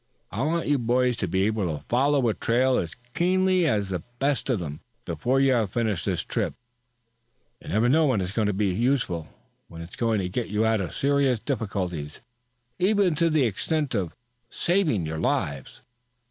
I want you boys to be able to follow a trail as keenly as the best of them before you have finished this trip. You never know when it's going to be useful when it's going to get you out of serious difficulties, even to the extent of saving your lives."